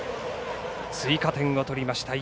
追加点を取りました。